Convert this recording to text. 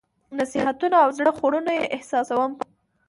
نصيحتونه او زړه خوړنه یې احساسوم.